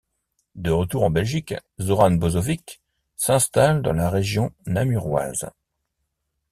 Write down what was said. De retour en Belgique, Zoran Bojović s'installe dans la région namuroise.